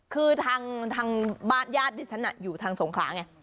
คือทางบ้านญาติดิฉันอยู่ทางสงขลาไง